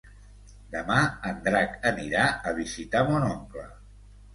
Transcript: Demà en Drac anirà a visitar mon oncle.